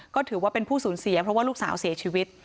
ก็ถือว่าเป็นผู้สูญเสียเพราะว่าลูกสาวเสียชีวิต